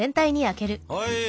はい！